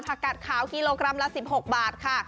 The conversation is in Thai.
กัดขาวกิโลกรัมละ๑๖บาทค่ะ